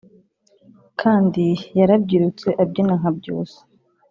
Kandi yarabyirutse abyina nka Byusa